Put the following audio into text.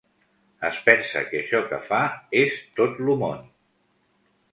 Es pensa que això que fa és tot lo món.